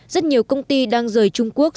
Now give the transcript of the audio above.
rất nhiều công ty đang rời trung quốc